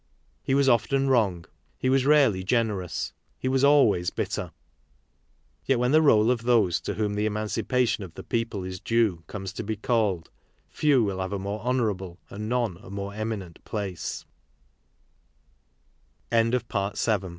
He was often wrong, he was rarely generous, he was always bitter; yet when the roll of those to whom the emancipation of the people is dvie comes to be called, few will have a more honourable, and none